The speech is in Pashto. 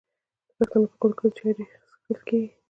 د پښتنو په کلتور کې چای ډیر څښل کیږي.